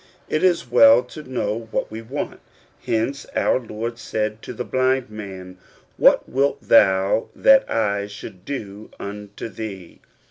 It is well to know what we want. Hence our Lord said to the blind man, "What wilt thou that I should do unto thee?'